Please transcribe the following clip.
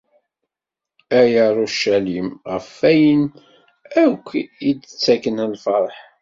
A Yarucalim, ɣef wayen akk i d-ittaken lferḥ.